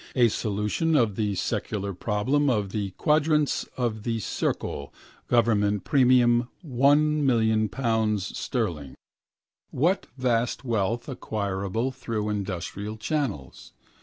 A solution of the secular problem of the quadrature of the circle, government premium £ 1,000,000 sterling. Was vast wealth acquirable through industrial channels?